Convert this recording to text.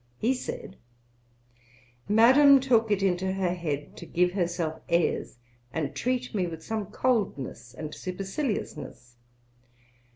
He said: 'Madam took it into her head to give herself airs, and treat me with some coldness and superciliousness.